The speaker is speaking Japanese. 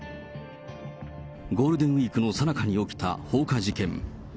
ゴールデンウィークのさなかに起きた放火事件。